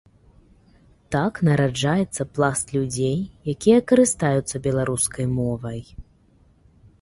Так нараджаецца пласт людзей, якія карыстаюцца беларускай мовай.